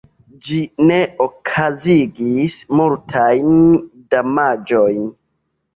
Ĝi ne okazigis multajn damaĝojn.